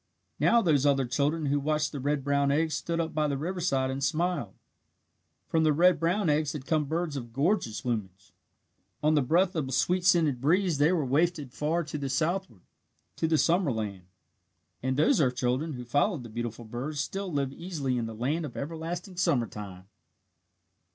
Now those other earth children who watched the red brown eggs stood up by the riverside and smiled. From the red brown eggs had come birds of gorgeous plumage. On the breath of a sweet scented breeze they were wafted far to southward to the summer land. And those earth children who followed the beautiful birds still live easily in the land of everlasting summer time.